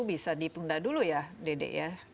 bisa ditunda dulu ya dede ya